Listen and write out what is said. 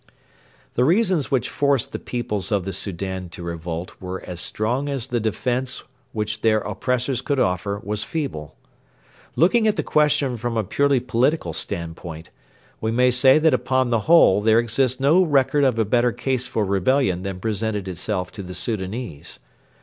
The reasons which forced the peoples of the Soudan to revolt were as strong as the defence which their oppressors could offer was feeble. Looking at the question from a purely political standpoint, we may say that upon the whole there exists no record of a better case for rebellion than presented itself to the Soudanese.